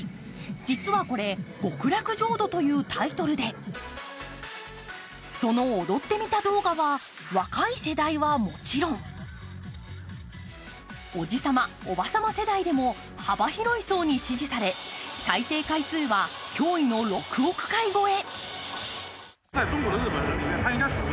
実はこれ、「極楽浄土」というタイトルでその踊ってみた動画は若い世代はもちろんおじさま、おばさま世代でも幅広い層に支持され再生回数は驚異の６億回超え。